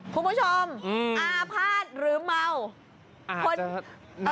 คุณผู้ชมอาภาษณ์หรือเมาคน